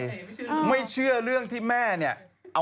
คนเรา๑๐กว่า๔๐แล้วแม่ก็จะคงได้แบบนี้แหละ